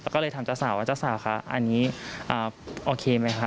ก็เลยถามเจ้าสาวว่าเจ้าสาวคะอันนี้โอเคไหมคะ